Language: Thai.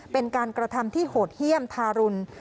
เป็นการกระทำที่โหดเยี่ยมทารุณ